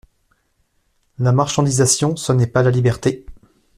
La marchandisation, ce n’est pas la liberté.